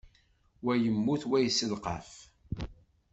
Wa yemmut, wa yesselqaf.